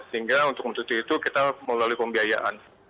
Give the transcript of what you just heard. sehingga untuk mencuci itu kita melalui pembiayaan